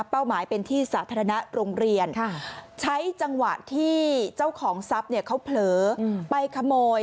หมายเป็นที่สาธารณะโรงเรียนใช้จังหวะที่เจ้าของทรัพย์เนี่ยเขาเผลอไปขโมย